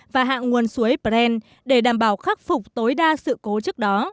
và hạ nguồn suối pren để đảm bảo khắc phục tối đa sự cố trước đó